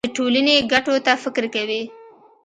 د ټولنې ګټو ته فکر کوي.